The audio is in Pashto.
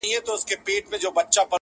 د غزلونو ربابونو مېنه٫